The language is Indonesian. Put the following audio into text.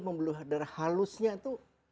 pembuluh darah halusnya itu